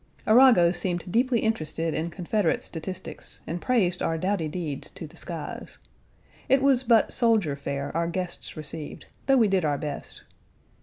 Arrago seemed deeply interested in Confederate statistics, and praised our doughty deeds to the skies. It was but soldier fare our guests received, though we did our best.